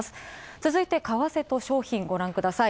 続いて為替と商品、ごらんください。